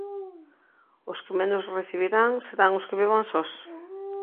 Os que menos recibirán serán os que vivan sós.